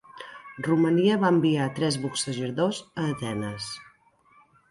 Romania va enviar tres boxejadors a Atenes.